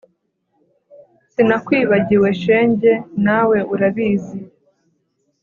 Sinakwibagiwe shenge nawe urabizi